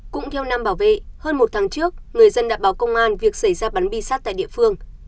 cũng theo năm bảo vệ hơn một tháng trước người dân đã báo công an việc xảy ra bắn bi sát tại địa phương